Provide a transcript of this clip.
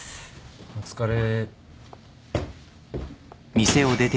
お疲れ。